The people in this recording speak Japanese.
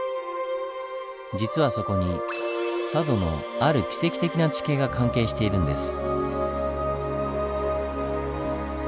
実はそこに佐渡のあるキセキ的な地形が関係しているんです。